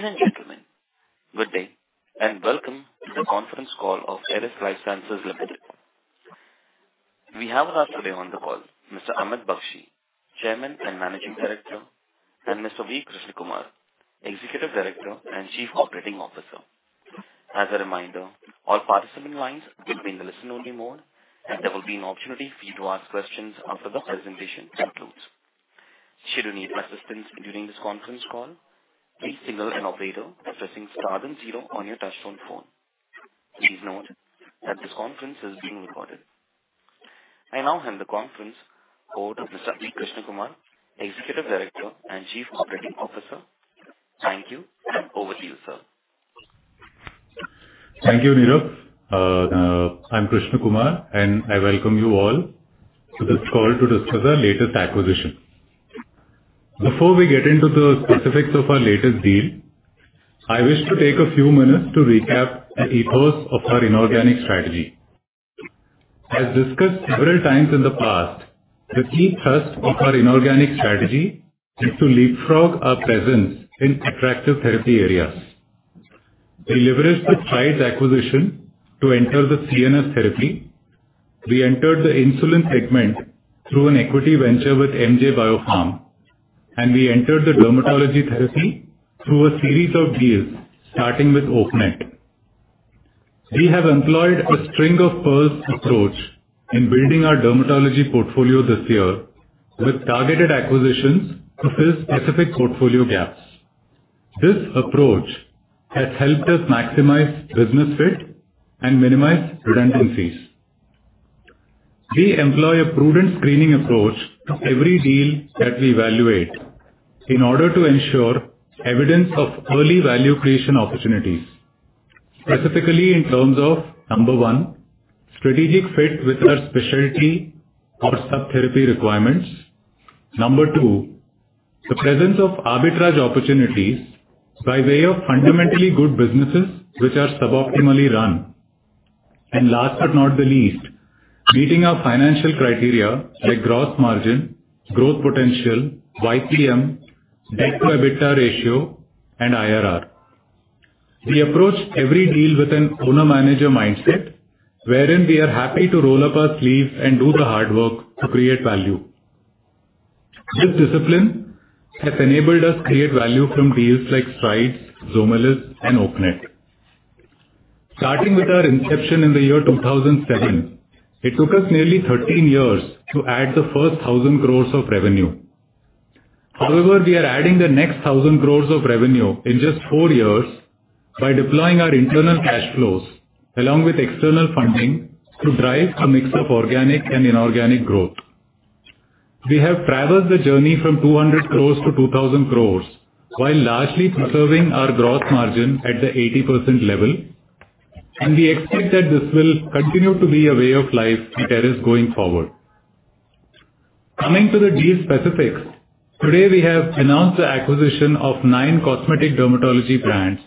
Ladies and gentlemen, good day and welcome to the conference call of Eris Lifesciences Limited. We have with us today on the call Mr. Amit Bakshi, Chairman and Managing Director, and Mr. V Krishnakumar, Executive Director and Chief Operating Officer. As a reminder, all participant lines will be in the listen-only mode, and there will be an opportunity for you to ask questions after the presentation concludes. Should you need assistance during this conference call, please signal an operator by pressing * then 0 on your touchtone phone. Please note that this conference is being recorded. I now hand the conference over to Mr. V Krishnakumar, Executive Director and Chief Operating Officer. Thank you and over to you, sir. Thank you, Nirup. I'm Krishnakumar, and I welcome you all to this call to discuss our latest acquisition. Before we get into the specifics of our latest deal, I wish to take a few minutes to recap the ethos of our inorganic strategy. As discussed several times in the past, the key thrust of our inorganic strategy is to leapfrog our presence in attractive therapy areas. We leveraged the Strides acquisition to enter the CNS therapy. We entered the insulin segment through an equity venture with M.J. Biopharm. We entered the dermatology therapy through a series of deals starting with Oaknet. We have employed a string-of-pearls approach in building our dermatology portfolio this year with targeted acquisitions to fill specific portfolio gaps. This approach has helped us maximize business fit and minimize redundancies. We employ a prudent screening approach to every deal that we evaluate in order to ensure evidence of early value creation opportunities, specifically in terms of, number one, strategic fit with our specialty or sub-therapy requirements. Number two, the presence of arbitrage opportunities by way of fundamentally good businesses which are suboptimally run. Last but not the least, meeting our financial criteria like gross margin, growth potential, YPM, debt-to-EBITDA ratio, and IRR. We approach every deal with an owner-manager mindset, wherein we are happy to roll up our sleeves and do the hard work to create value. This discipline has enabled us create value from deals like Strides, Zomelis, and Oaknet. Starting with our inception in the year 2007, it took us nearly 13 years to add the first 1,000 crore of revenue. However, we are adding the next 1,000 crore of revenue in just 4 years by deploying our internal cash flows along with external funding to drive a mix of organic and inorganic growth. We have traversed the journey from 200 crore to 2,000 crore while largely preserving our gross margin at the 80% level. We expect that this will continue to be a way of life at Eris going forward. Coming to the deal specifics. Today, we have announced the acquisition of 9 cosmetic dermatology brands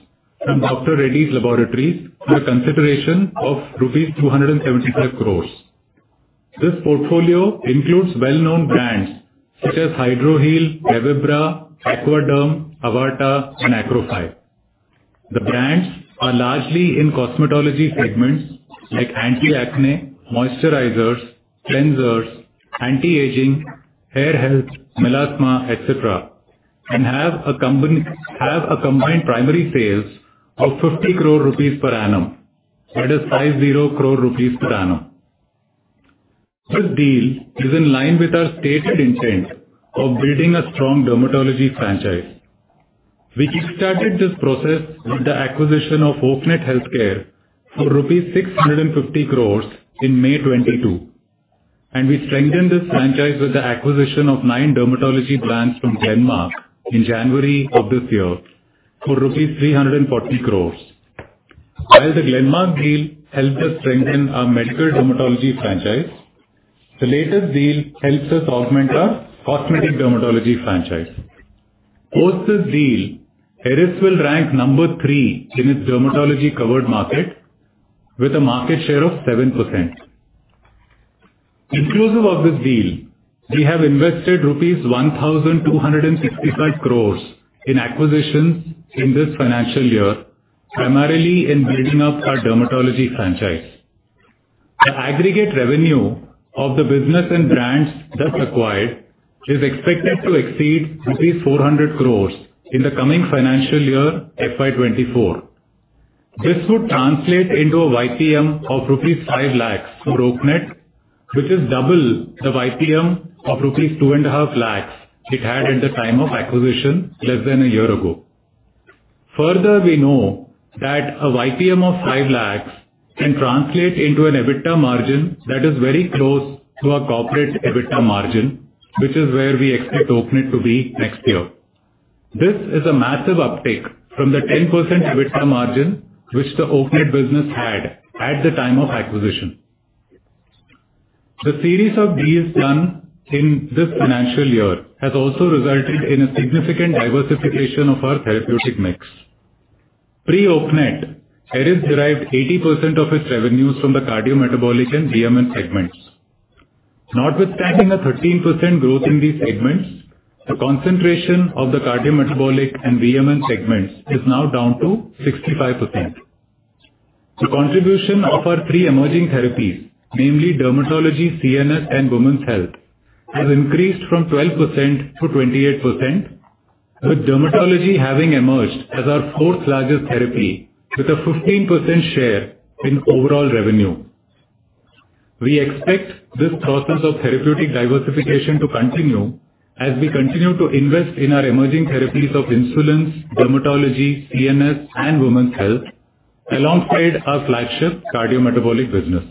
from Dr. Reddy's Laboratories for a consideration of rupees 275 crore. This portfolio includes well-known brands such as Hydroheal, Revibra, Aquaderm, Avarta, and Acrofy. The brands are largely in cosmetology segments like anti-acne, moisturizers, cleansers, anti-aging, hair health, melasma, et cetera, and have a combined primary sales of 50 crore rupees per annum. That is 50 crore rupees per annum. This deal is in line with our stated intent of building a strong dermatology franchise. We kick-started this process with the acquisition of Oaknet Healthcare for rupees 650 crore in May 2022. We strengthened this franchise with the acquisition of nine dermatology brands from Glenmark in January of this year for rupees 340 crore. While the Glenmark deal helped us strengthen our medical dermatology franchise, the latest deal helps us augment our cosmetic dermatology franchise. Post this deal, Eris will rank number 3 in its dermatology-covered market with a market share of 7%. Inclusive of this deal, we have invested rupees 1,265 crore in acquisitions in this financial year, primarily in building up our dermatology franchise. The aggregate revenue of the business and brands thus acquired is expected to exceed rupees 400 crore in the coming financial year FY 2024. This would translate into a YPM of 5 lakh rupees for Oaknet, which is double the YPM of two and a half lakhs rupees it had at the time of acquisition less than a year ago. Further, we know that a YPM of 5 lakh can translate into an EBITDA margin that is very close to our corporate EBITDA margin, which is where we expect Oaknet to be next year. This is a massive uptick from the 10% EBITDA margin which the Oaknet business had at the time of acquisition. The series of deals done in this financial year has also resulted in a significant diversification of our therapeutic mix. Pre-Oaknet, Eris derived 80% of its revenues from the cardiometabolic and VMN segments. Notwithstanding a 13% growth in these segments, the concentration of the cardiometabolic and VMN segments is now down to 65%. The contribution of our 3 emerging therapies, namely dermatology, CNS and women's health, has increased from 12% to 28%, with dermatology having emerged as our 4th largest therapy with a 15% share in overall revenue. We expect this process of therapeutic diversification to continue as we continue to invest in our emerging therapies of insulins, dermatology, CNS and women's health alongside our flagship cardiometabolic business.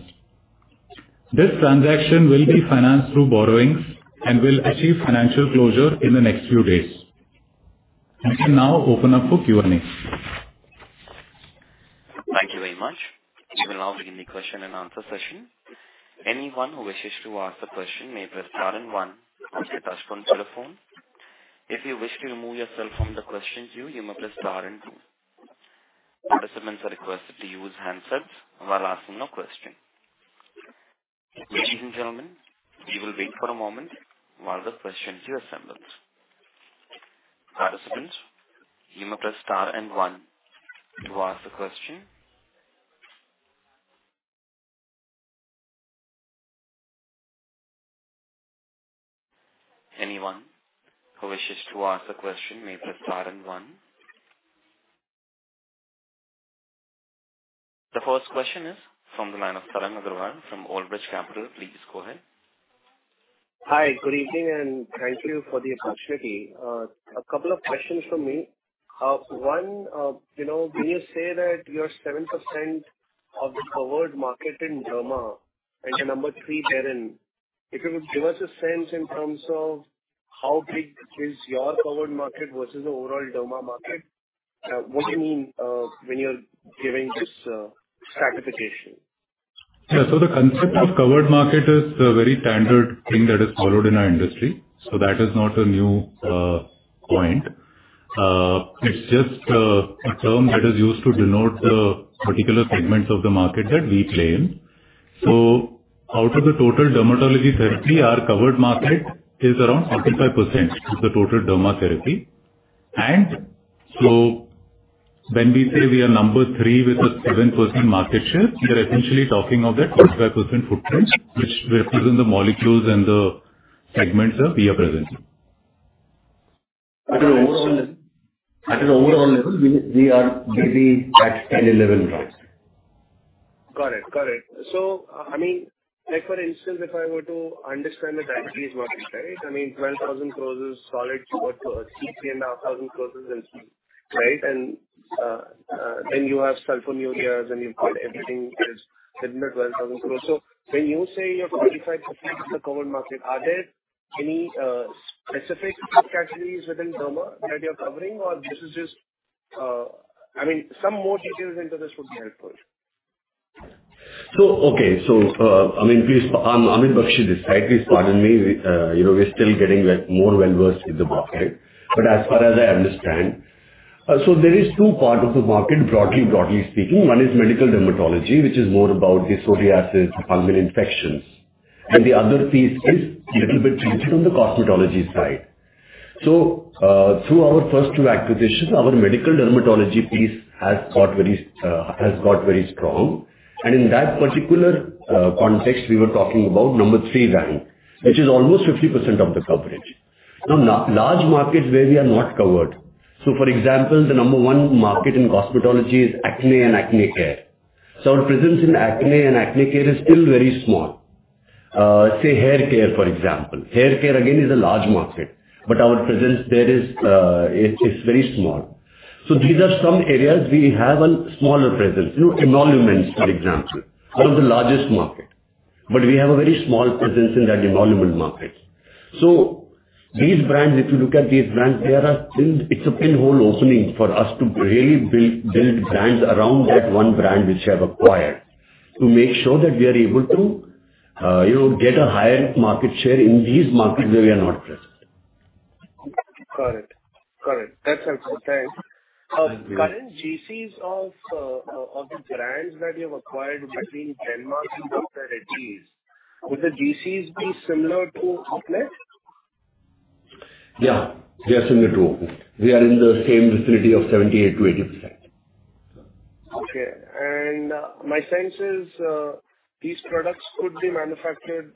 This transaction will be financed through borrowings and will achieve financial closure in the next few days. We can now open up for Q&A. Thank you very much. We will now begin the question and answer session. Anyone who wishes to ask a question may press * and one on your touchtone telephone. If you wish to remove yourself from the question queue, you may press * and two. Participants are requested to use handsets while asking a question. Ladies and gentlemen, we will wait for a moment while the question queue assembles. Participants, you may press * and one to ask a question. Anyone who wishes to ask a question may press * and one. The first question is from the line of Saran Adgwal from Old Bridge Capital. Please go ahead. Hi, good evening, thank you for the opportunity. A couple of questions from me. One, you know, when you say that you are 7% of the covered market in derma and you're number 3 therein, if you could give us a sense in terms of how big is your covered market versus the overall derma market? What do you mean when you're giving this stratification? Yeah. The concept of covered market is a very standard thing that is followed in our industry, so that is not a new point. It's just a term that is used to denote the particular segments of the market that we play in. Out of the total dermatology therapy, our covered market is around 45% of the total derma therapy. When we say we are number 3 with a 7% market share, we are essentially talking of that 45% footprint, which represents the molecules and the segments we are present in. At an overall level, we are maybe at 10-11%. Got it. Got it. I mean, like for instance, if I were to understand the therapy's market, right, I mean 12,000 crores is solid toward, 3,500 crores is in skin, right? Then you have sulfonylureas and you've got everything is within the 12,000 crores. When you say you're 45% of the covered market, are there any specific subcategories within derma that you're covering or this is just... I mean, some more details into this would be helpful. Okay. I mean, please, I'm Amit Bakshi. Slightly pardon me. We, you know, we're still getting more well-versed in the market. As far as I understand, there is 2 part of the market, broadly speaking. One is medical dermatology, which is more about the psoriasis, fungal infections, and the other piece is a little bit tilted on the dermatology side. Through our first 2 acquisitions, our medical dermatology piece has got very strong. In that particular context, we were talking about number 3 rank, which is almost 50% of the coverage. Large markets where we are not covered. For example, the number 1 market in dermatology is acne and acne care. Our presence in acne and acne care is still very small. Say haircare, for example. Haircare again is a large market, but our presence there is, it's very small. These are some areas we have a smaller presence. You know, emollients, for example. One of the largest markets. We have a very small presence in that emollient market. These brands, if you look at these brands, there are still. It's a pinhole opening for us to really build brands around that one brand which we have acquired to make sure that we are able to, you know, get a higher market share in these markets where we are not present. Got it. Got it. That's helpful. Thanks. Thank you. Current GCs of the brands that you have acquired between Glenmark and Dr. Reddy's, would the GCs be similar to Acnet? Yeah. They are similar to Acnet. We are in the same vicinity of 78%-80%. Okay. My sense is, these products could be manufactured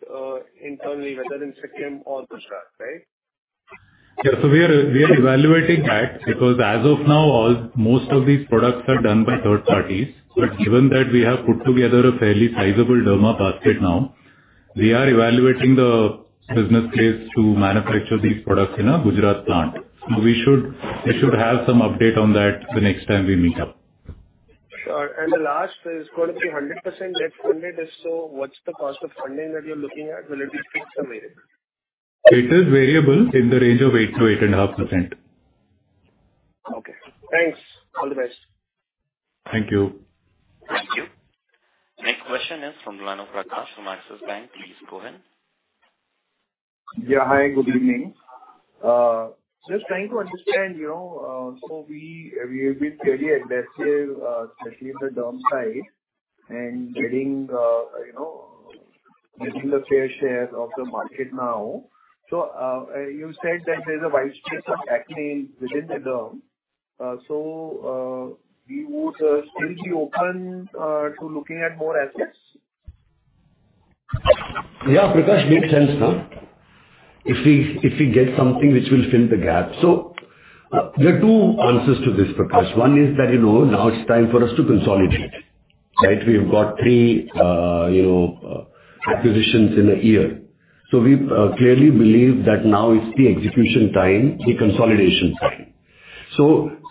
internally, whether in Sikkim or Gujarat, right? Yeah. We are evaluating that because as of now, most of these products are done by third parties. Given that we have put together a fairly sizable derma basket now, we are evaluating the business case to manufacture these products in our Gujarat plant. I should have some update on that the next time we meet up. Sure. The last is going to be 100% debt funded. If so, what's the cost of funding that you're looking at? Will it be fixed or variable? It is variable in the range of 8%-8.5%. Okay. Thanks. All the best. Thank you. Thank you. Next question is from the line of Prakash from Axis Bank. Please go ahead. Yeah. Hi, good evening. Just trying to understand, you know, we have been fairly aggressive, especially in the derm side and getting, you know, getting a fair share of the market now. You said that there's a wide space of acne within the derm. We would still be open to looking at more assets? Prakash, makes sense, no? If we get something which will fill the gap. There are 2 answers to this, Prakash. One is that, you know, now it's time for us to consolidate, right? We have got 3, you know, acquisitions in a year. We clearly believe that now is the execution time, the consolidation time.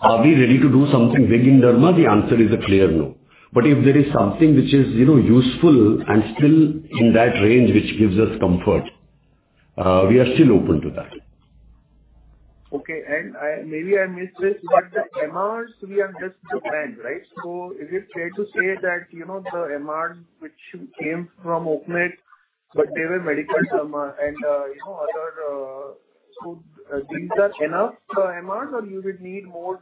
Are we ready to do something big in derma? The answer is a clear no. If there is something which is, you know, useful and still in that range, which gives us comfort, we are still open to that. Okay. I maybe I missed this, the MRs, we have just the brand, right? Is it fair to say that, you know, the MR which came from Oaknet, but they were medical derma and, you know, other? These are enough, the MR, or you would need more,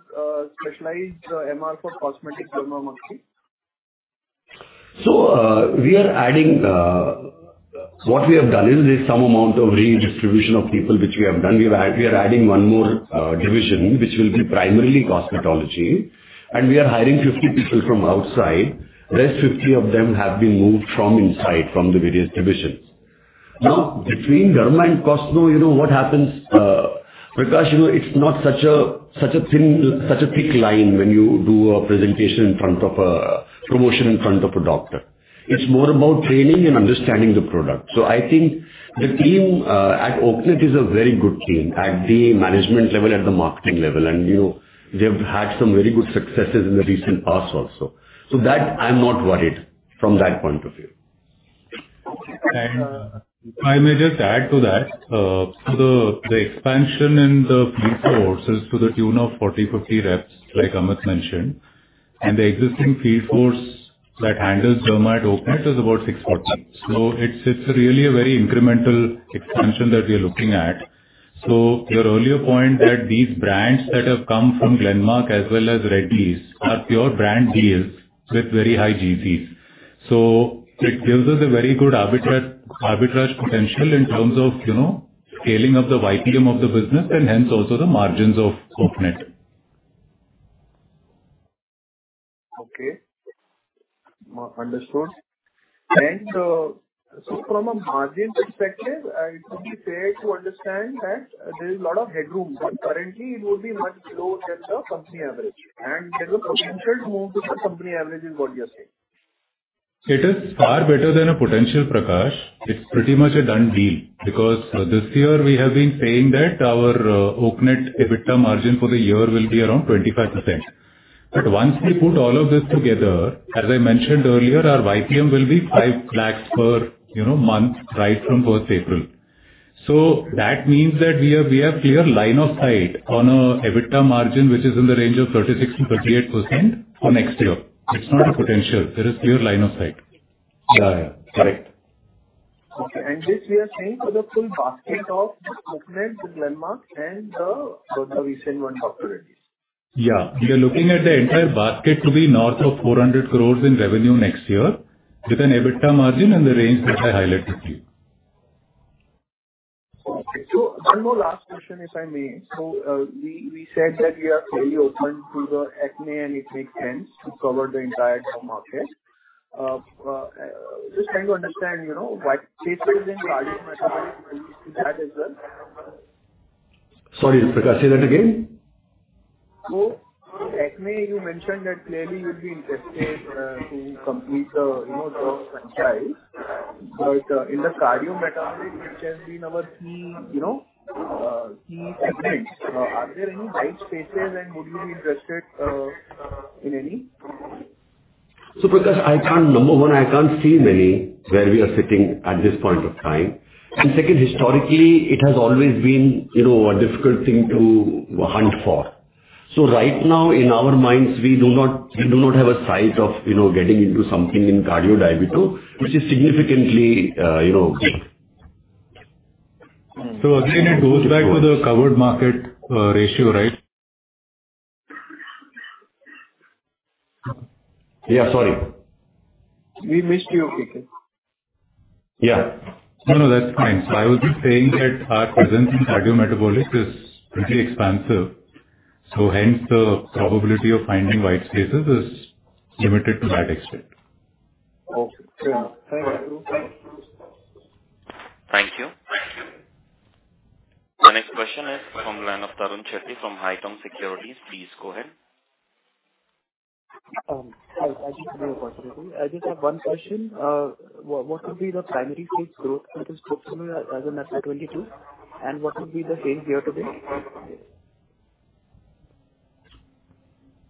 specialized, MR for cosmetic derma mostly? What we have done is there's some amount of redistribution of people which we have done. We are adding one more division, which will be primarily dermatology, and we are hiring 50 people from outside. Rest 50 of them have been moved from inside, from the various divisions. Between derma and cosmeceuticals, you know what happens, Prakash, you know, it's not such a, such a thin, such a thick line when you do a promotion in front of a doctor. It's more about training and understanding the product. I think the team at Oaknet is a very good team, at the management level and the marketing level. You know, they've had some very good successes in the recent past also. That I'm not worried from that point of view. Okay. If I may just add to that, the expansion in the field force is to the tune of 40, 50 reps, like Amit mentioned. The existing field force that handles derm at Oaknet is about 60. It's really a very incremental expansion that we are looking at. Your earlier point that these brands that have come from Glenmark as well as Reddy's are pure brand deals with very high GCS. It gives us a very good arbitrage potential in terms of, you know, scaling of the YPM of the business and hence also the margins of Oaknet. Okay. Understood. From a margin perspective, would be fair to understand that there is a lot of headroom, but currently it would be much lower than the company average. There's a potential to move to the company average, is what you're saying? It is far better than a potential, Prakash. It's pretty much a done deal because this year we have been saying that our Oaknet EBITDA margin for the year will be around 25%. Once we put all of this together, as I mentioned earlier, our YPM will be 5 lakhs per, you know, month, right from 1st April. That means that we have clear line of sight on a EBITDA margin, which is in the range of 36%-38% for next year. It's not a potential. There is clear line of sight. Yeah, yeah. Correct. Okay. This we are saying for the full basket of Oaknet with Glenmark and the recent one from Reddy's. Yeah. We are looking at the entire basket to be north of 400 crores in revenue next year with an EBITDA margin in the range that I highlighted to you. Okay. One more last question, if I may. We said that we are fairly open to the acne and it makes sense to cover the entire derm market. Just trying to understand, you know, white spaces in cardiometabolic, are you seeing that as well? Sorry, Prakash, say that again. Acne you mentioned that clearly you'll be interested, to complete the, you know, derm franchise. In the cardiometabolic, which has been our key, you know, key segments, are there any white spaces and would you be interested, in any? Prakash, number one, I can't see many where we are sitting at this point of time. Second, historically, it has always been, you know, a difficult thing to hunt for. Right now, in our minds, we do not have a sight of, you know, getting into something in cardio-diabetic, which is significantly, you know, big. Again, it goes back to the covered market ratio, right? Yeah, sorry. We missed you, Vikesh. Yeah. No, no, that's fine. I was just saying that our presence in cardiometabolic is pretty expansive, so hence the probability of finding white spaces is limited to wide extent. Okay, fair enough. Thank you. Thank you. The next question is from line of Tarun Sheth from Haitong Securities. Please go ahead. Hi. Thank you for your opportunity. I just have one question. What would be the primary sales growth for this book as of FY 22? What would be the same year to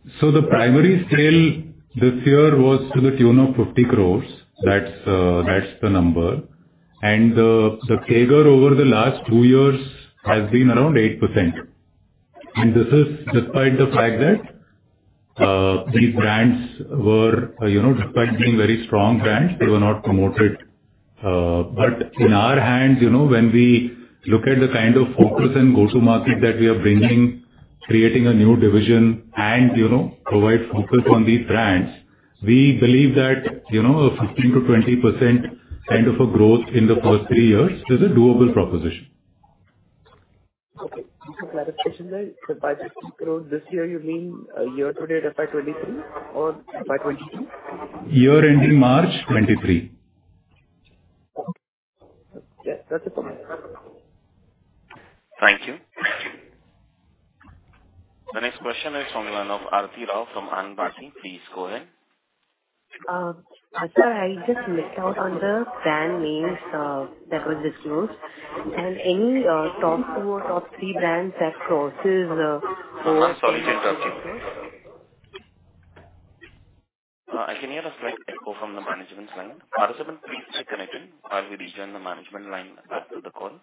date? The primary sale this year was to the tune of 50 crores. That's the number. The CAGR over the last 2 years has been around 8%. This is despite the fact that these brands were, you know, despite being very strong brands, they were not promoted. In our hands, you know, when we look at the kind of focus and go-to-market that we are bringing, creating a new division and, you know, provide focus on these brands, we believe that, you know, a 15%-20% kind of a growth in the first 3 years is a doable proposition. Okay. Just for clarification there, by 15 growth this year, you mean, year to date as by 23 or by 22? Year ending March 2023. Okay. Yes, that's it from my side. Thank you. The next question is from the line of Aarti Rao from Anand Rathi. Please go ahead. sir, I just missed out on the brand names, that was disclosed. And any, top two or top three brands that crosses, four- I'm sorry to interrupt you. I can hear a slight echo from the management's line. Participant, please check your network while we rejoin the management line back to the call.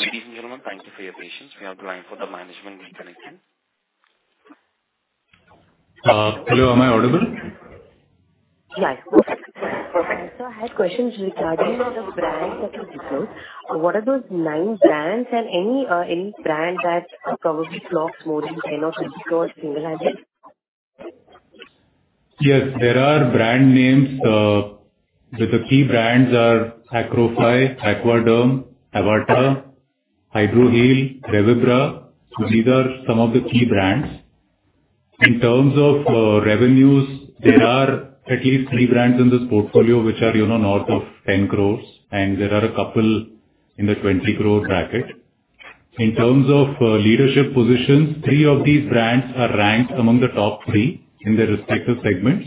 Ladies and gentlemen, thank you for your patience. We have the line for the management reconnecting. Hello, am I audible? Yes, perfect. Perfect. I had questions regarding the brands that you disclosed. What are those nine brands and any brand that probably clocks more than 10 crore or INR 15 crore standalone? Yes, there are brand names. The key brands are Acrofy, Aquaderm, Avarta, Hydroheal, Revibra. These are some of the key brands. In terms of revenues, there are at least three brands in this portfolio which are, you know, north of 10 crore, and there are a couple in the 20 crore bracket. In terms of leadership positions, three of these brands are ranked among the top three in their respective segments.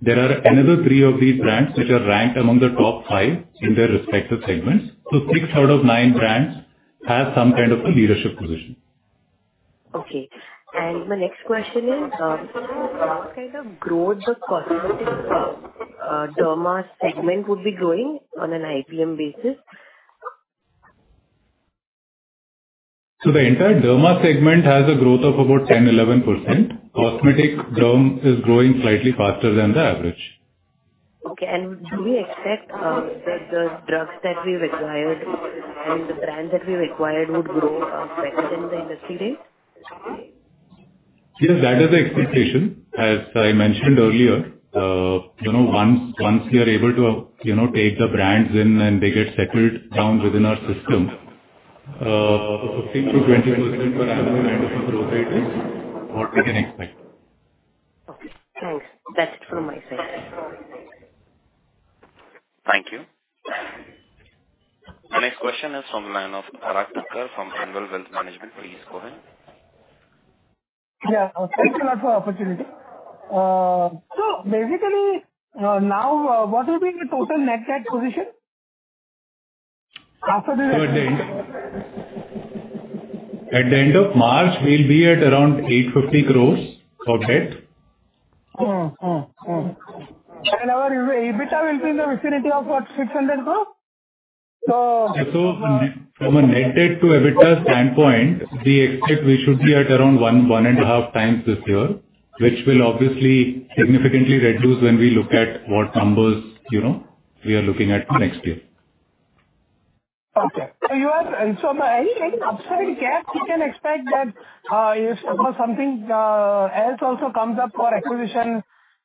There are another three of these brands which are ranked among the top five in their respective segments. Six out of nine brands have some kind of a leadership position. Okay. My next question is, what kind of growth the cosmetic derma segment would be growing on an IPM basis? The entire derma segment has a growth of about 10%, 11%. Cosmetic derm is growing slightly faster than the average. Okay. Should we expect that the drugs that we've acquired and the brands that we've acquired would grow better than the industry rate? Yes, that is the expectation. As I mentioned earlier, you know, once we are able to, you know, take the brands in and they get settled down within our system, a 15%-20% per annum kind of a growth rate is what we can expect. Okay, thanks. That's it from my side. Thank you. The next question is from the line of Parag Thacker from Angel Wealth Management. Please go ahead. Yeah. Thank you a lot for the opportunity. basically, now, what will be the total net debt position after this- At the end of March, we'll be at around 850 crores of debt. Mm-hmm. Mm-hmm. Mm-hmm. Our EBITA will be in the vicinity of what, INR 600 crore? From a net debt to EBITDA standpoint, we expect we should be at around 1-1.5 times this year, which will obviously significantly reduce when we look at what numbers, you know, we are looking at for next year. Okay. Any upside cap we can expect that, if something else also comes up for acquisition.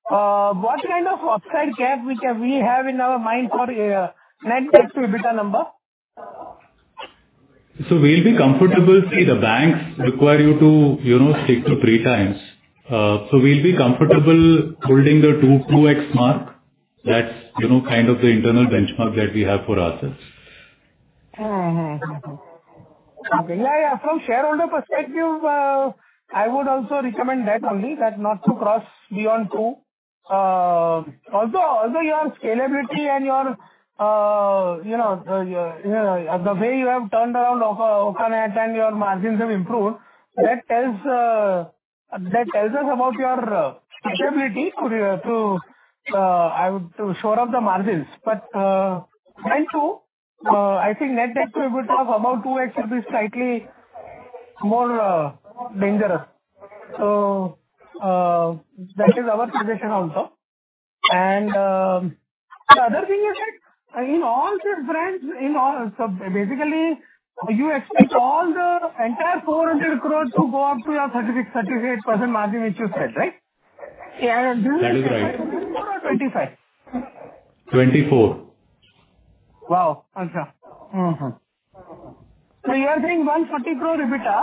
What kind of upside cap we have in our mind for a net debt to EBITDA number? We'll be comfortable. See, the banks require you to, you know, stick to 3 times. We'll be comfortable holding the 2x mark. That's, you know, kind of the internal benchmark that we have for ourselves. Mm-hmm. Mm-hmm. Mm-hmm. From shareholder perspective, I would also recommend that only, that not to cross beyond 2. Although your scalability and your, you know, the, you know, the way you have turned around Oaknet and your margins have improved, that tells us about your stability to shore up the margins. While 2, I think net debt to EBITDA of about 2x will be slightly more dangerous. That is our suggestion also. The other thing is that in all these brands, basically, you expect all the entire 400 crore to go up to your 36%-38% margin which you said, right? This is. That is right. Is this 4 or 25? Twenty-four. Wow. Okay. You are saying 150 crore EBITDA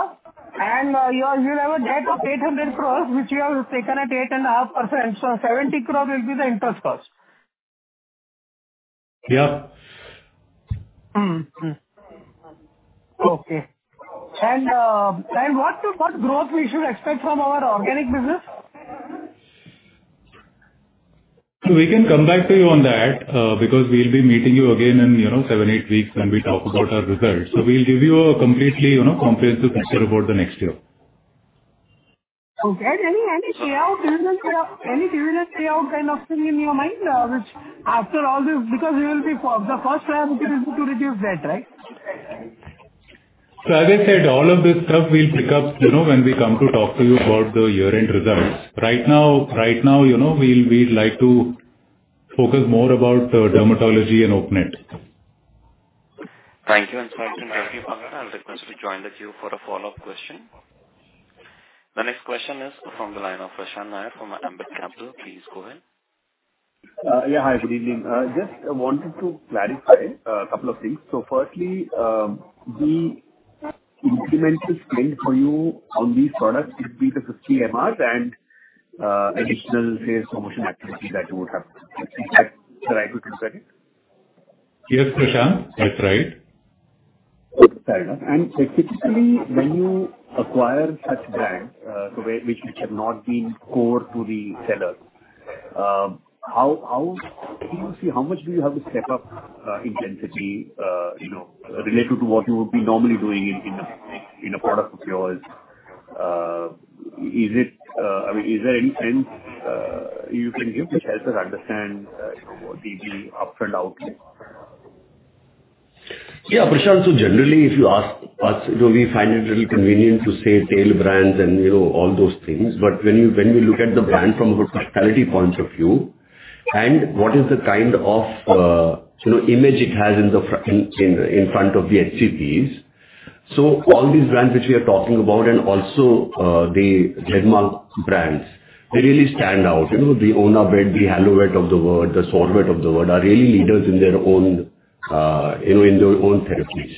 and your debt of 800 crores which you have taken at 8.5%. 70 crore will be the interest cost. Yeah. Okay. What growth we should expect from our organic business? We can come back to you on that, because we'll be meeting you again in, you know, 7, 8 weeks when we talk about our results. We'll give you a completely, you know, comprehensive picture about the next year. Okay. Any payout, dividend payout kind of thing in your mind, which after all this... Because you will be the first priority is to reduce debt, right? As I said, all of this stuff we'll pick up, you know, when we come to talk to you about the year-end results. Right now, you know, we'd like to focus more about the dermatology and Oaknet. Thank you. Thank you, Parag. I'll request we join the queue for a follow-up question. The next question is from the line of Prashant Nair from Ambit Capital. Please go ahead. Yeah. Hi, good evening. Just wanted to clarify a couple of things. Firstly, the incremental spend for you on these products is 3-50 MRs and additional, say, promotion activity that you would have. Is that the right way to interpret it? Yes, Prashant. That's right. Fair enough. Typically when you acquire such brands, so where which have not been core to the sellers, how do you see how much do you have to step up intensity, you know, relative to what you would be normally doing in a product of yours? Is it, I mean, is there any sense you can give which helps us understand, you know, the up and outlay? Prashant. Generally, if you ask us, you know, we find it little convenient to say tail brands and, you know, all those things. When you, when we look at the brand from a hospitality point of view and what is the kind of, you know, image it has in front of the HCPs. All these brands which we are talking about and also, the trademark brands, they really stand out. You know, the Onabet, the Halobet of the world, the Solbet of the world are really leaders in their own, you know, in their own therapies.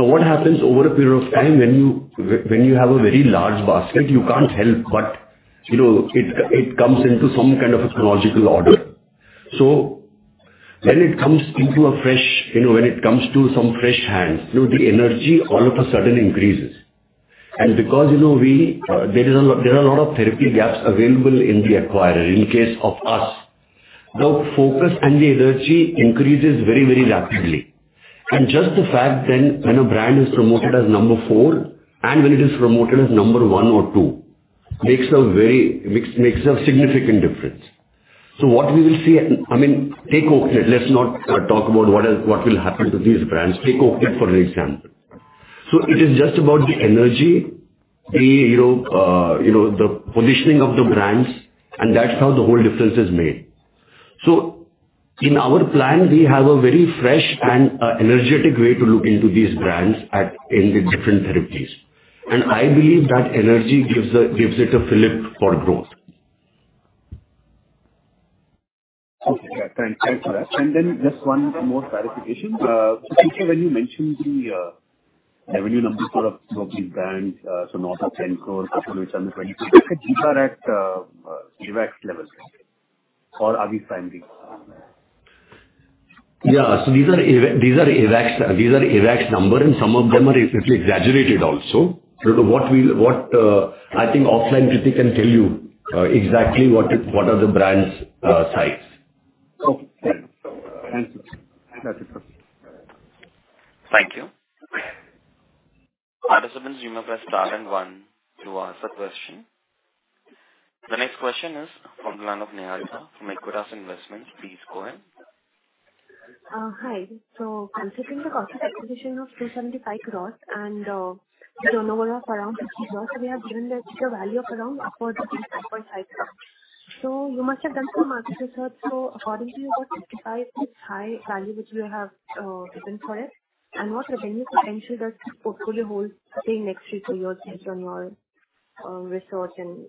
What happens over a period of time when you, when you have a very large basket, you can't help but, you know, it comes into some kind of a chronological order. When it comes into a fresh, you know, when it comes to some fresh hands, you know, the energy all of a sudden increases. Because, you know, we, there is a lot, there are a lot therapy gaps available in the acquirer in case of us. The focus and the energy increases very, very rapidly. Just the fact then when a brand is promoted as number four and when it is promoted as number one or two, makes a very significant difference. What we will see, I mean, take Oaknet, let's not talk about what will happen to these brands. Take Oaknet for an example. It is just about the energy, the, you know, you know, the positioning of the brands, and that's how the whole difference is made. In our plan, we have a very fresh and energetic way to look into these brands in the different therapies. I believe that energy gives it a fillip for growth. Okay. Yeah. Thanks for that. Just one more clarification. Earlier when you mentioned the revenue numbers for these brands, north of 10 crores, up to 220 crores. These are at EBITDA levels, right? Are we finding... Yeah. These are EVAC's, these are EVAC's number. Some of them are a little exaggerated also. What I think offline Hrithi can tell you exactly what are the brands' size. Okay. Thanks. That's it for me. Thank you. Participants, you may press * and one to ask a question. The next question is from the line of Neha Gupta from Equirus Securities. Please go ahead. Hi. Considering the cost of acquisition of 275 crores and the turnover of around 50 crores, we have given the future value of around upwards of 3.5 crores. You must have done some market research. According to you, what justifies this high value which you have given for it? What are the revenue potential that this portfolio holds, say, in next 3-4 years based on your research and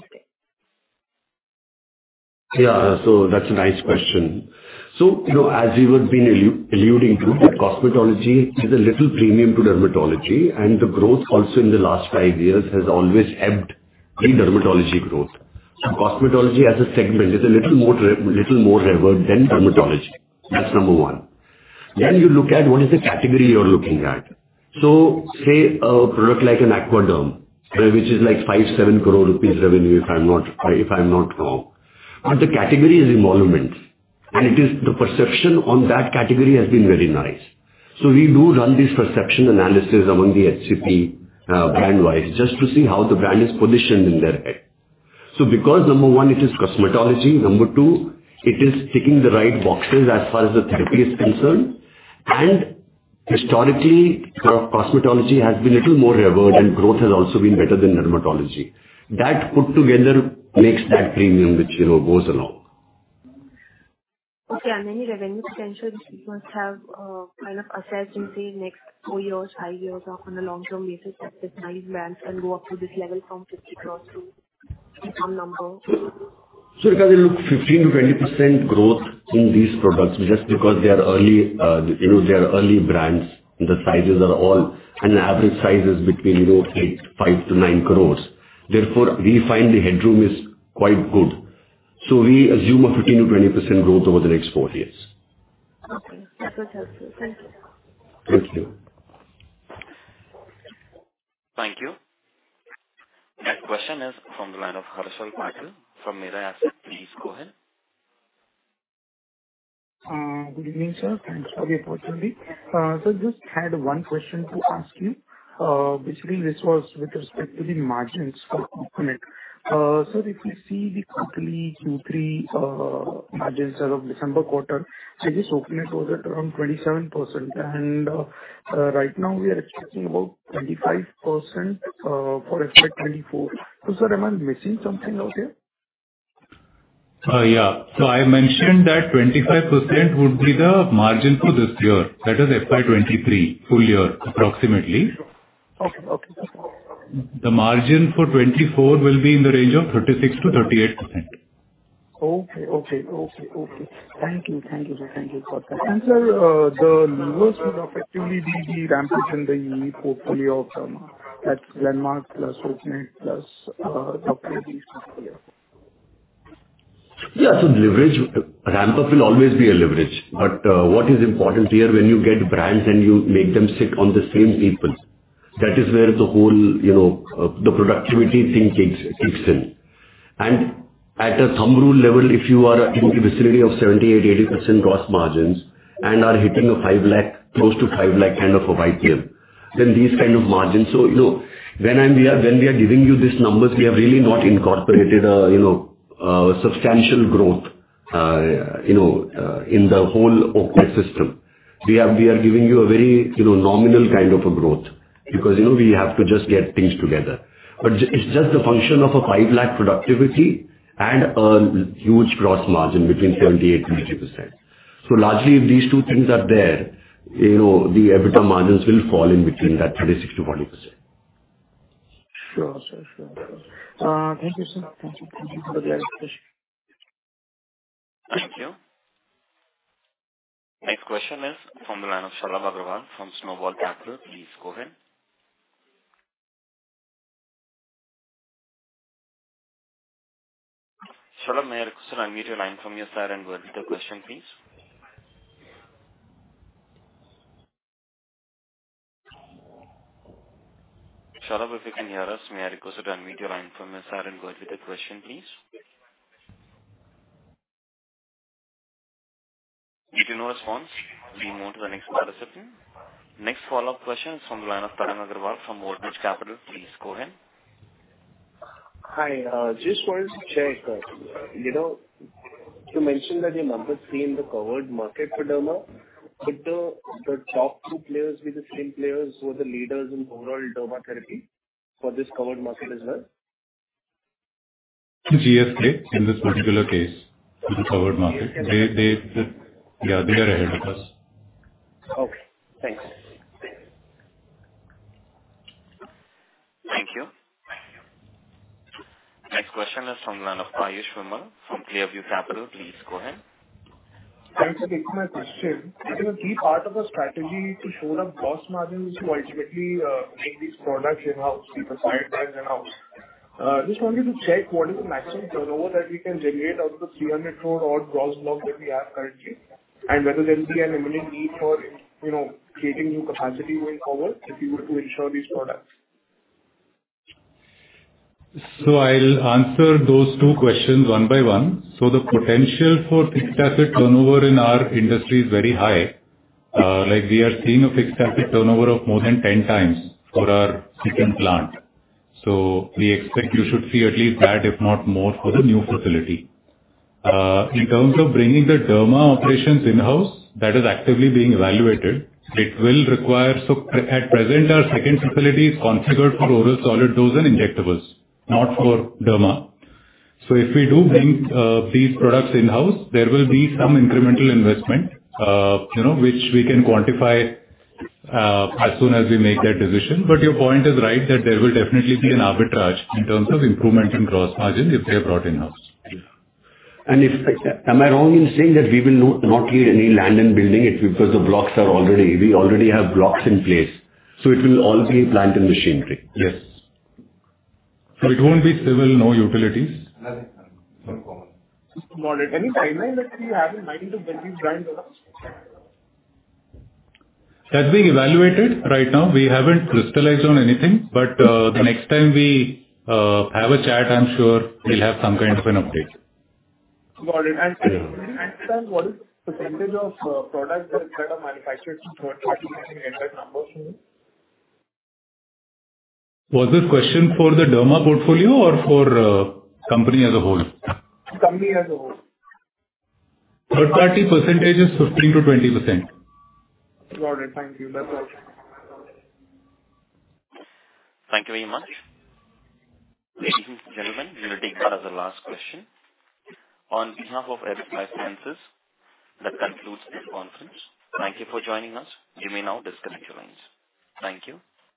testing? That's a nice question. You know, as we've been alluding to, dermatology is a little premium to dermatology, and the growth also in the last 5 years has always ebbed pre-dermatology growth. Dermatology as a segment is a little more revered than dermatology. That's number one. You look at what is the category you're looking at. Say a product like an Aquaderm, which is like 5 crore-7 crore rupees revenue, if I'm not wrong. The category is emollients, and it is the perception on that category has been very nice. We do run this perception analysis among the HCP, brand wise, just to see how the brand is positioned in their head. Because number one, it is dermatology, number two, it is ticking the right boxes as far as the therapy is concerned. Historically, co-dermatology has been a little more revered and growth has also been better than dermatology. That put together makes that premium which, you know, goes along. Okay. Any revenue potential which you must have, kind of assessed in, say, next four years, five years or on a long-term basis that these nine brands can go up to this level from 50 crore to some number? Because, you know, 15%-20% growth in these products just because they are early, you know, they are early brands, the average size is between, you know, 8.5-9 crore. Therefore, we find the headroom is quite good. We assume a 15%-20% growth over the next 4 years. Okay. That was helpful. Thank you. Thank you. Thank you. Next question is from the line of Harshal Patel from Mirae Asset. Please go ahead. Good evening, sir. Thanks for the opportunity. Just had one question to ask you. Basically this was with respect to the margins for Oaknet. If you see the quarterly Q3 margins as of December quarter, this Oaknet was at around 27%. Right now we are expecting about 25% for FY 2024. Sir, am I missing something out here? Yeah. I mentioned that 25% would be the margin for this year. That is FY23, full year, approximately. Okay. Okay. That's all. The margin for 2024 will be in the range of 36%-38%. Okay. Thank you for that. sir, the levers will effectively be the rampaging the yield portfolio term at Landmark plus Oaknet plus upgrades this year. Yeah. Leverage ramp up will always be a leverage. What is important here, when you get brands and you make them sit on the same people, that is where the whole, you know, the productivity thing kicks in. At a thumb rule level, if you are in the vicinity of 78%-80% gross margins and are hitting a 5 lakh, close to 5 lakh kind of a IPM, then these kind of margins. You know, when we are giving you these numbers, we have really not incorporated a, you know, substantial growth, you know, in the whole Oaknet system. We are giving you a very, you know, nominal kind of a growth because, you know, we have to just get things together. It's just a function of a 5 lakh productivity and a huge gross margin between 70% and 80%. Largely, if these two things are there, you know, the EBITDA margins will fall in between that 36%-40%. Sure, sir. Sure. Thank you, sir. Thank you. Thank you for the explanation. Thank you. Next question is from the line of Shalabh Agarwal from Snowball Capital. Please go ahead. Shalabh, may I request to unmute your line from your side and go ahead with the question, please. Shalabh, if you can hear us, may I request you to unmute your line from your side and go ahead with the question, please. Due to no response, we move to the next participant. Next follow-up question is from the line of Tarang Betala from Vortex Capital. Please go ahead. Hi. Just wanted to check, you know, you mentioned that you're number three in the covered market for derma. Could the top two players be the same players who are the leaders in overall dermatotherapy for this covered market as well? GSK in this particular case, in the covered market. They, yeah, they are ahead of us. Okay. Thanks. Thank you. Next question is from the line of Piyush Sharma from Clearview Capital. Please go ahead. Thanks for taking my question. Is the key part of the strategy to show the gross margins to ultimately, make these products in-house, the prescribed brands in-house? Just wanted to check what is the maximum turnover that we can generate out of the 300 crore odd gross block that we have currently, and whether there will be an imminent need for, you know, creating new capacity in cover if you were to ensure these products. I'll answer those two questions one by one. The potential for fixed asset turnover in our industry is very high. Like we are seeing a fixed asset turnover of more than 10 times for our second plant. We expect you should see at least that, if not more, for the new facility. In terms of bringing the derma operations in-house, that is actively being evaluated. It will require. At present our second facility is configured for Oral Solid Dosage and injectables, not for derma. If we do bring these products in-house, there will be some incremental investment, you know, which we can quantify, as soon as we make that decision. Your point is right, that there will definitely be an arbitrage in terms of improvement in gross margin if they're brought in-house. If, am I wrong in saying that we will not need any land and building it because we already have blocks in place, so it will all be plant and machinery? Yes. It won't be civil nor utilities. Nothing. It's all covered. Got it. Any timeline that we have in mind of when we plant all that? That's being evaluated right now. We haven't crystallized on anything, but the next time we have a chat I'm sure we'll have some kind of an update. Got it. What % of products that are manufactured numbers? Was this question for the derma portfolio or for company as a whole? Company as a whole. Third-party percentage is 15%-20%. Got it. Thank you. That's all. Thank you very much. Ladies and gentlemen, we will take that as the last question. On behalf of Eris Lifesciences, that concludes this conference. Thank you for joining us. You may now disconnect your lines. Thank you.